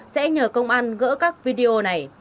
sẽ nhờ công an gỡ các video này